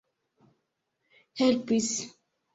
helpis